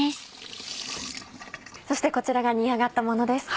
そしてこちらが煮上がったものです。